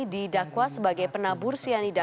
didakwa sebagai penabur cyanida